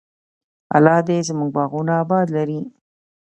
الله دې زموږ باغونه اباد لري.